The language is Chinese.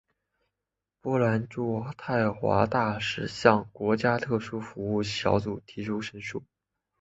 波兰驻渥太华大使向的国家特殊服务小组提出申诉。